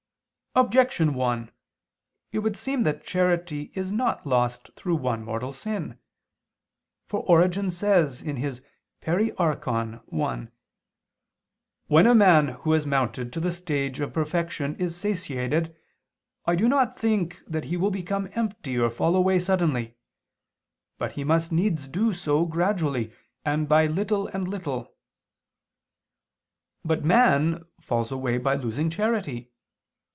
Objection 1: It would seem that charity is not lost through one mortal sin. For Origen says (Peri Archon i): "When a man who has mounted to the stage of perfection, is satiated, I do not think that he will become empty or fall away suddenly; but he must needs do so gradually and by little and little." But man falls away by losing charity.